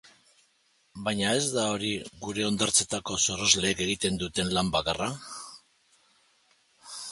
Baina ez da hori gure hondartzetako sorosleek egiten duten lan bakarra.